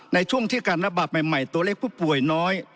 ในช่วงที่การระบาดใหม่ตัวเลขผู้ป่วยน้อย